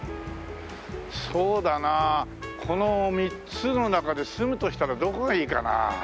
そうだなあこの３つの中で住むとしたらどこがいいかな？